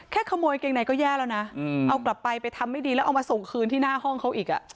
ขโมยกางเกงในก็แย่แล้วนะเอากลับไปไปทำไม่ดีแล้วเอามาส่งคืนที่หน้าห้องเขาอีกอ่ะ